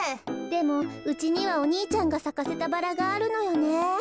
でもうちにはお兄ちゃんがさかせたバラがあるのよね。